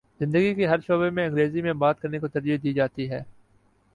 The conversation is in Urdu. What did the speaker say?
زندگی کے ہر شعبے میں انگریزی میں بات کر نے کو ترجیح دی جاتی ہے